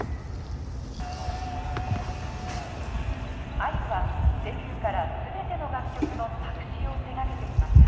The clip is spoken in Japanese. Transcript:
あゆはデビューからすべての楽曲の作詞を手がけてきました。